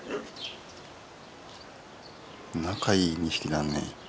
仲いい２匹だね。